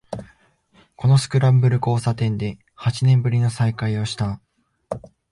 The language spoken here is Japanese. このスクランブル交差点で八年ぶりの再会をした